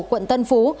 quận tân phú